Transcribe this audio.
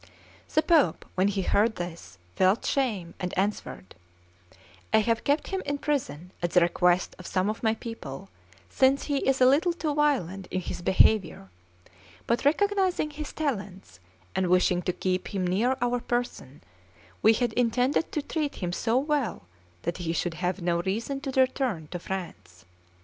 The Pope, when he heard this, felt shame, and answered: "I have kept him in prison at the request of some of my people, since he is a little too violent in his behaviour; but recognising his talents, and wishing to keep him near our person, we had intended to treat him so well that he should have no reason to return to France.